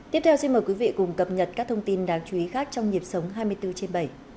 tiếp theo xin mời quý vị cùng cập nhật các thông tin đáng chú ý khác trong nhịp sống hai mươi bốn trên bảy